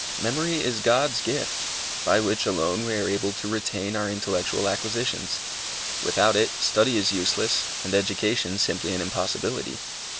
Memory is God's gift, by which alone we are able to retain our intellectual acquisitions. Without it, study is useless, and education simply an impossibility.